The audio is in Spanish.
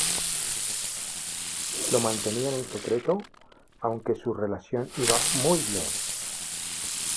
Lo mantenían en secreto aunque su relación iba muy bien.